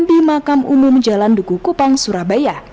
di makam umum jalan duku kupang surabaya